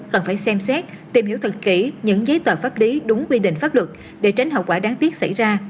cần phải xem xét tìm hiểu thật kỹ những giấy tờ pháp lý đúng quy định pháp luật để tránh hậu quả đáng tiếc xảy ra